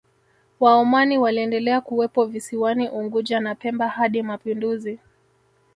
Waomani waliendelea kuwepo visiwani Unguja na Pemba hadi mapinduzi